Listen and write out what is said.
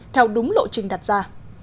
theo đúng lộ trình đặt ra